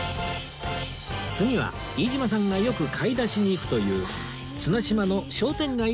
次は飯島さんがよく買い出しに行くという綱島の商店街へ向かう事に